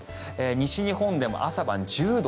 西日本でも朝晩、１０度。